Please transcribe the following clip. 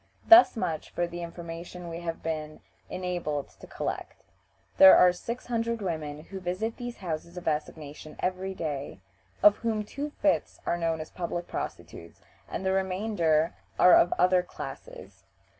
Thus much for the information we have been enabled to collect. There are six hundred women who visit these houses of assignation every day, of whom two fifths are known as public prostitutes, and the remainder are of other classes.